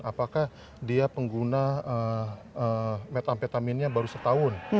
apakah dia pengguna metamfetaminnya baru setahun